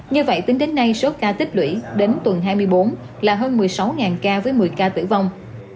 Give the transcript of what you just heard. như vậy tính đến nay số ca tích lũy đến tuần hai mươi bốn là hơn một mươi sáu ca với một mươi ca tử vong